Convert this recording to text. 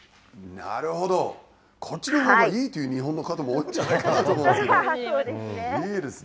なるほど、こっちのほうがいいという日本の方も多いんじゃないかなと思うんですけど、いいですね。